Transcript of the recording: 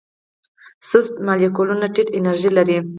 سست مالیکولونه ټیټه انرژي لري.